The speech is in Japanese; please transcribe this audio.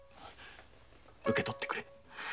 受け取ってくれ。